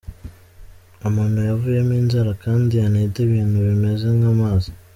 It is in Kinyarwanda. Amano yavuyemo inzara kandi aninda ibintu bimeze nk’amazi.